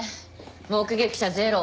目撃者ゼロ。